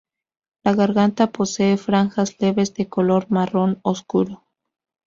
La garganta posee franjas leves de color marrón oscuro.